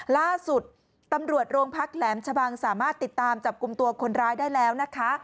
ล่าสุดตำรวจโรงพักแหลมชะบังสามารถติดตามจับกลุ่มตัวคนร้ายได้แล้วนะคะ